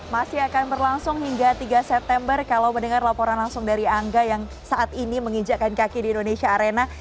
masih akan berlangsung hingga tiga september kalau mendengar laporan langsung dari angga yang saat ini menginjakkan kaki di indonesia arena